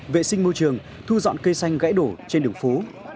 vệ sinh môi trường thu dọn cây xanh gãy đổ trên đường phố